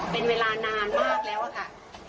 เป็นเวลานานมากแล้วค่ะ